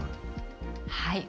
はい。